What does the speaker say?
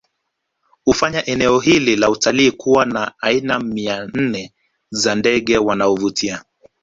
Hufanya eneo hili la utalii kuwa na aina mia nne za ndege wanaovutia